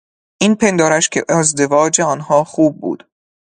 این پندارش که ازدواج آنها خوب بود...